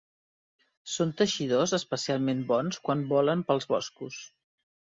Són teixidors especialment bons quan volen pels boscos.